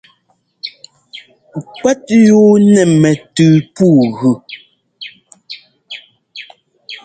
Kúɛ́t yú nɛ́ mɛtʉʉ pǔu ɛ́gʉ.